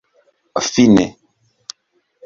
fine